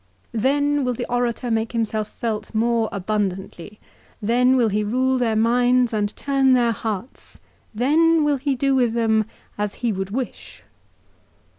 l " Then will the orator make himself felt more abundantly. Then will he rule their minds and turn their hearts. Then will he do with them as he would wish."